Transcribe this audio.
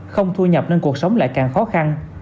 không thu nhập nên cuộc sống lại càng khó khăn